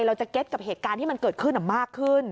เราจะเก็ตกับเหตุการณ์ที่มันเกิดขึ้นมากขึ้น